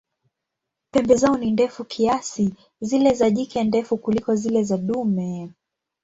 Pembe zao ni ndefu kiasi, zile za jike ndefu kuliko zile za dume.